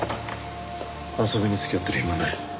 遊びに付き合ってる暇はない。